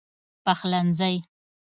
پخلنځی